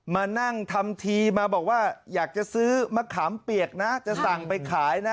มานั่งทำทีมาบอกว่าอยากจะซื้อมะขามเปียกนะจะสั่งไปขายนะ